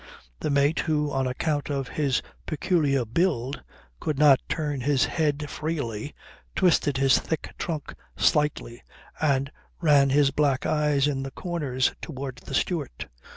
The mate who, on account of his peculiar build, could not turn his head freely, twisted his thick trunk slightly, and ran his black eyes in the corners towards the steward.